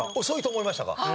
遅いと思いましたか？